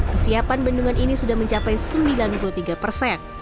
kesiapan bendungan ini sudah mencapai sembilan puluh tiga persen